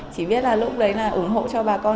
chỉ biết là lúc đấy là ủng hộ cho bà con